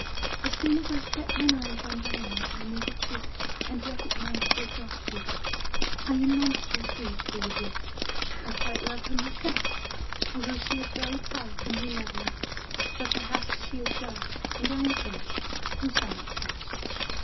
As soon as I sett mine eyes on Diana I knew the Truth and recognised yr. dark Beauty. I am monstrous grieved for you, dear. I quite love her myself, altho' she is very tiresomely lovely, but perhaps as she is dark and I am fair, we shall not clash.